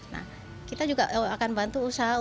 nah kita juga akan bantu usaha usaha